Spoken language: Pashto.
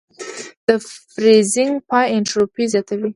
د فریزینګ پای انټروپي زیاتوي.